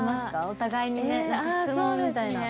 お互いにね質問みたいな。